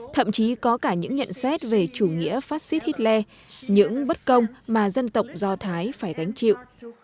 thậm chí có cả những nhận xét về chủ nghĩa phát xít hitler những bất công mà dân tộc do thái phải gánh chịu